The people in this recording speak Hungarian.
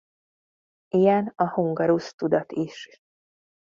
Ilyen a hungarus-tudat is.